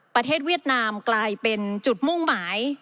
เวียดนามกลายเป็นจุดมุ่งหมาย